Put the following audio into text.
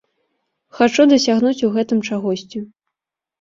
Хачу дасягнуць у гэтым чагосьці.